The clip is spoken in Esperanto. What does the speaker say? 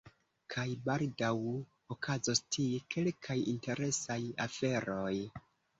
Kaj baldaŭ okazos tie kelkaj interesaj aferoj.